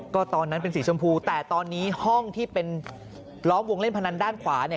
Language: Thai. ก็ตอนนั้นเป็นสีชมพูแต่ตอนนี้ห้องที่เป็นล้อมวงเล่นพนันด้านขวาเนี่ย